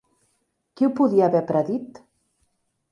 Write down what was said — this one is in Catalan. Qui ho podia haver predit?